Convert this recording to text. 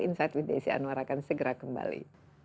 insight with desi anwar akan segera kembali